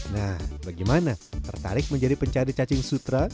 nah bagaimana tertarik menjadi pencari cacing sutra